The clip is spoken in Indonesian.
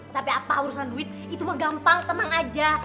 tapi apa urusan duit itu mah gampang tenang aja